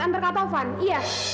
antar ketaufan iya